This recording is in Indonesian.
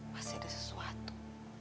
masih ada sesuatu